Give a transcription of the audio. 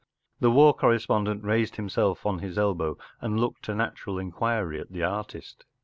The war correspondent raised himself on his elbow and looked a natural inquiry at the artist.